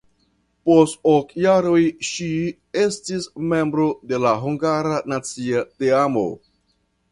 Post ok jaroj ŝi estis membro de la hungara nacia teamo.